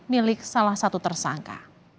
milik salah satu tersangka